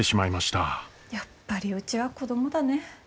やっぱりうちは子供だね。